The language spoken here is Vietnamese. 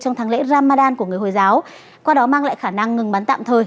trong tháng lễ ramadan của người hồi giáo qua đó mang lại khả năng ngừng bắn tạm thời